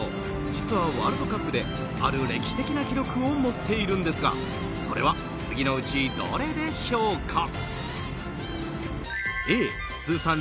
実はワールドカップである歴史的な記録を持っているんですがそれは次のうちどれでしょうか？